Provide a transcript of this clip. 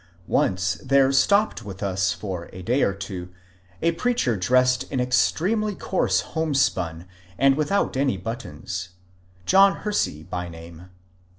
Once there stopped with us for a day or two a preacher dressed in ex tremely coarse homespun, and without any buttons, — John Hersey by name.